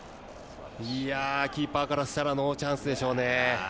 キーパーからしたらノーチャンスでしょうね。